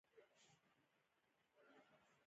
اوښ د افغانستان د جغرافیې یوه ښه بېلګه ده.